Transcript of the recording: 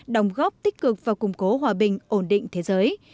đồng góp tích cực và củng cố hòa bình ổn định thế giới